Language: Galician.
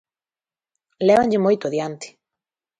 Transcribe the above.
Lévanlle moito adiante.